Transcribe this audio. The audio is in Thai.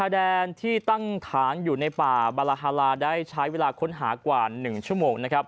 แดนที่ตั้งฐานอยู่ในป่าบาลาฮาลาได้ใช้เวลาค้นหากว่า๑ชั่วโมงนะครับ